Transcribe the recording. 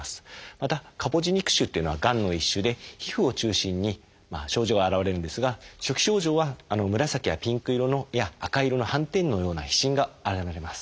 またカポジ肉腫っていうのはがんの一種で皮膚を中心に症状が現れるんですが初期症状は紫やピンク色や赤色の斑点のような皮疹が現れます。